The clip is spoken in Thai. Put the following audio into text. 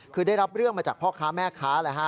ก็ได้รับเรื่องมาจากพ่อค้าแม่ค้า